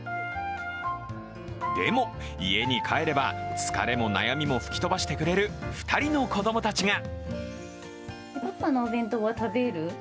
でも、家に帰れば疲れも悩みも吹き飛ばしてくれる２人の子供たちが。